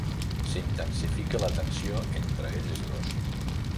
S'intensifica la tensió entre ells dos.